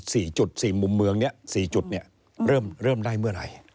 สี่จุดสี่มุมเมืองนี้เริ่มได้เมื่อไหร่